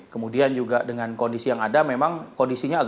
kemudian juga dengan kondisi yang ada memang kondisinya